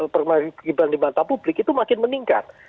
permainan gibran di mata publik itu makin meningkat